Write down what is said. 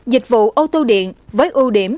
dịch vụ ô tô điện với ưu điểm